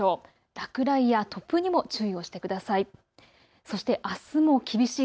落雷や突風にも注意をしてください。